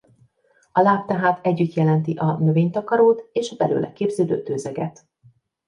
A láp tehát együtt jelenti a növénytakarót és a belőle képződő tőzeget.